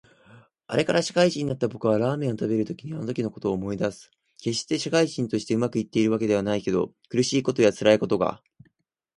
あれから、社会人になった僕はラーメンを食べるたびにあのときのことを思い出す。決して社会人として上手くいっているわけではないけど、苦しいことや辛いことがあっても親父やお母さんがくれた思い出の一つ一つが僕を強くしてくれた。